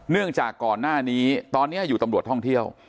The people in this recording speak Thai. จากก่อนหน้านี้ตอนนี้อยู่ตำรวจท่องเที่ยว